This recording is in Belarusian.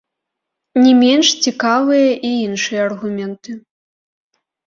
Не менш цікавыя і іншыя аргументы.